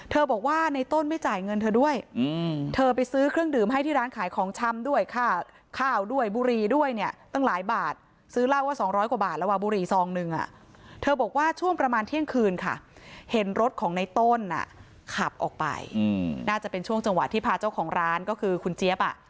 บอกว่าในต้นไม่จ่ายเงินเธอด้วยเธอไปซื้อเครื่องดื่มให้ที่ร้านขายของชำด้วยค่าข้าวด้วยบุรีด้วยเนี่ยตั้งหลายบาทซื้อเหล้าว่า๒๐๐กว่าบาทระหว่างบุรีซองนึงเธอบอกว่าช่วงประมาณเที่ยงคืนค่ะเห็นรถของในต้นอ่ะขับออกไปน่าจะเป็นช่วงจังหวะที่พาเจ้าของร้านก็คือคุณเจี๊ยบอ่ะ